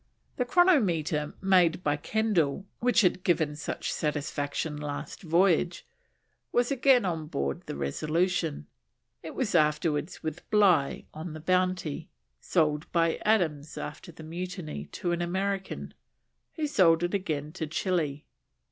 The chronometer, made by Kendal, which had given such satisfaction last voyage, was again on board the Resolution. It was afterwards with Bligh in the Bounty, sold by Adams after the Mutiny to an American, who sold it again in Chili.